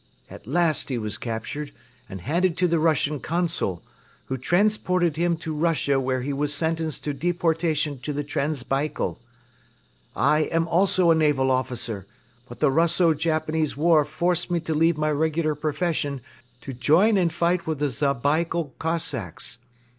At last he was captured and handed to the Russian Consul, who transported him to Russia where he was sentenced to deportation to the Transbaikal. I am also a naval officer but the Russo Japanese War forced me to leave my regular profession to join and fight with the Zabaikal Cossacks.